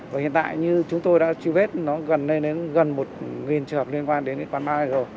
và hiện tại như chúng tôi đã truy vết nó gần một trường hợp liên quan đến quán bar